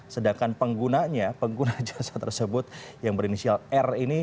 sedangkan penggunanya pengguna jasa tersebut yang berinisial r ini